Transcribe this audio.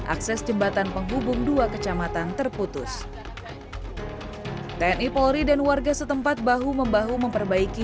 akses jembatan penghubung dua kecamatan terputus tni polri dan warga setempat bahu membahu memperbaiki